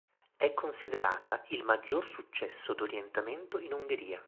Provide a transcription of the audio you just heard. È considerata il maggior successo d'orientamento in Ungheria.